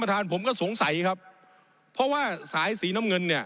ผมอภิปรายเรื่องการขยายสมภาษณ์รถไฟฟ้าสายสีเขียวนะครับ